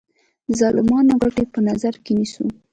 د ظالمانو ګټې په نظر کې نیسو.